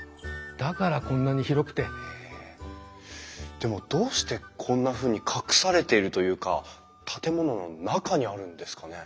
でもどうしてこんなふうに隠されているというか建物の中にあるんですかね？